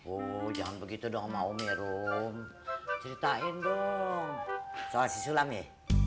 oh jangan begitu dong sama umi rom ceritain dong soal si sulam ya